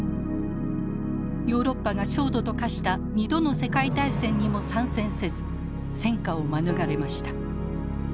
ヨーロッパが焦土と化した２度の世界大戦にも参戦せず戦火を免れました。